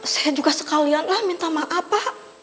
saya juga sekalian lah minta maaf pak